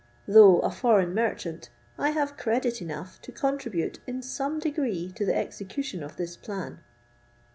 Though a foreign merchant, I have credit enough to contribute in some degree to the execution of this plan."